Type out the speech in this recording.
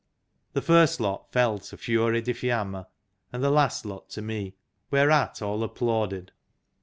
The first lot fell to Fiore di Fiamma, and the last lot to me ; whereat all applauded.